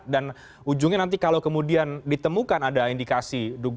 dan ujungnya nanti kalau kemudian ditemukan ada indikasi